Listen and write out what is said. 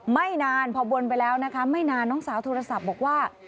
ไม่นานพอวนไปแล้วนะคะไม่นานน้องสาวโทรศัพท์บอกว่า